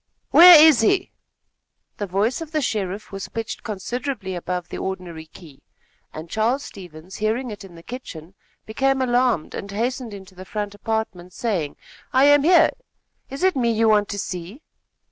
"Where is he?" The voice of the sheriff was pitched considerably above the ordinary key, and Charles Stevens, hearing it in the kitchen, became alarmed, and hastened into the front apartment, saying: "I am here. Is it me you want to see?"